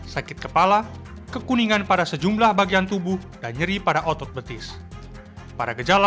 sakit kepala kekuningan pada sejumlah bagian tubuh dan nyeri pada otot betis pada gejala